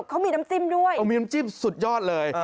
เขามีน้ำจิ้มด้วยเขามีน้ำจิ้มสุดยอดเลย